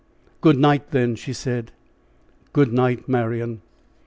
"Good night, then," she said. "Good night, Marian."